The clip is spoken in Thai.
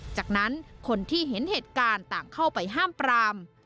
จากนั้นคนที่เห็นเหตุการณ์ต่างเข้าไปห้ามปราม